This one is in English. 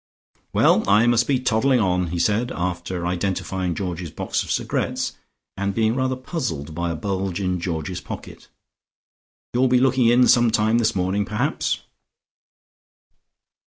"Well, I must be toddling on," he said, after identifying Georgie's box of cigarettes, and being rather puzzled by a bulge in Georgie's pocket. "You'll be looking in some time this morning, perhaps."